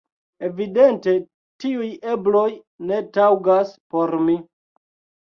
Evidente, tiuj ebloj ne taŭgas por mi.